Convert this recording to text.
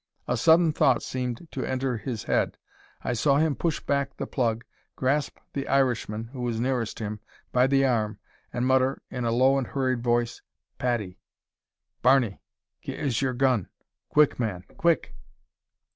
A sudden thought seemed to enter his head. I saw him push back the plug, grasp the Irishman, who was nearest him, by the arm, and mutter, in a low and hurried voice, "Paddy! Barney! gi' us yur gun; quick, man, quick!"